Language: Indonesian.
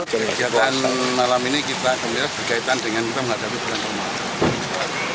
kejadian malam ini kita berkaitan dengan menghadapi berantem